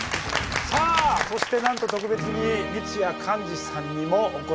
さあそしてなんと特別に三津谷寛治さんにもお越しいただきました。